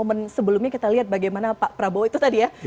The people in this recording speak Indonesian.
karena di beberapa momen sebelumnya kita lihat bagaimana pak prabowo itu tadi ya